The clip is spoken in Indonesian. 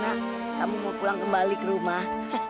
gapas senang nak kamu mau pulang kembali ke rumah